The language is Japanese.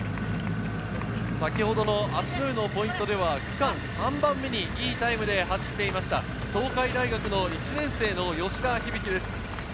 先ほどの芦之湯のポイントで区間３番目にいいタイムで走っていました、東海大学１年生の吉田響です。